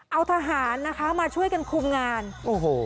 เอาทหารนะคะมาช่วยกันคุมงานโอ้โห